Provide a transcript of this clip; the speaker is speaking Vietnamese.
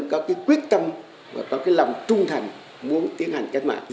có cái quyết tâm và có cái lòng trung thành muốn tiến hành cách mạng